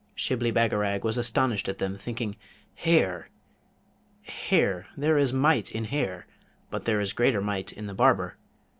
Shibli Bagarag was astonished at them, thinking, 'Hair! hair! There is might in hair; but there is greater might in the barber!